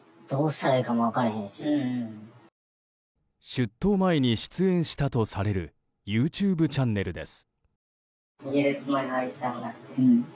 出頭前に出演したとされるＹｏｕＴｕｂｅチャンネルです。